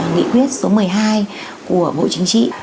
nghị quyết số một mươi hai của bộ chính trị